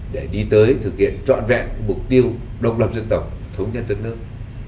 để đi tới thực hiện trọn vẹn mục tiêu độc lập dân tộc thống nhất đất nước